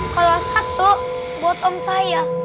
kalau satu buat om saya